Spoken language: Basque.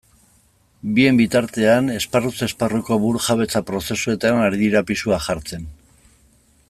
Bien bitartean, esparruz esparruko burujabetza prozesuetan ari dira pisua jartzen.